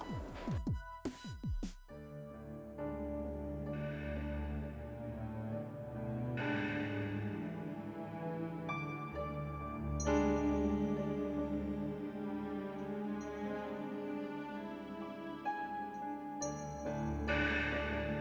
udah kacau di sini